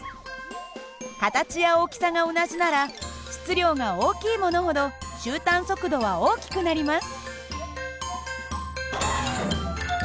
形や大きさが同じなら質量が大きいものほど終端速度は大きくなります。